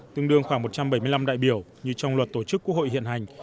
tương đương khoảng một trăm bảy mươi năm đại biểu như trong luật tổ chức quốc hội hiện hành